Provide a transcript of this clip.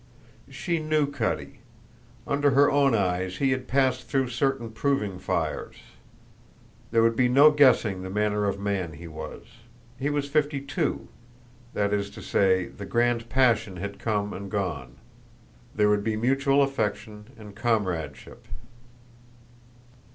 She knew Cutty. Under her own eyes he had passed through certain proving fires. There would be no guessing the manner of man he was. He was fifty two; that is to say, the grand passion had come and gone. There would be mutual affection and comradeship.